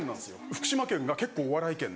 福島県が結構お笑い県で。